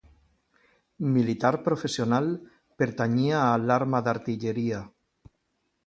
Militar professional, pertanyia a l'arma d'artilleria.